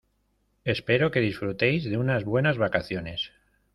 Espero que disfrutéis de unas buenas vacaciones.